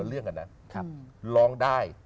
ล้อเล่าน้อย